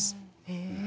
へえ。